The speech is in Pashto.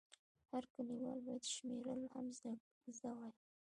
هر لیکوال باید شمېرل هم زده وای.